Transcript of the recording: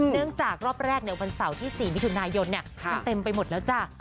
จากรอบแรกวันเสาร์ที่๔มิถุนายนมันเต็มไปหมดแล้วจ้ะ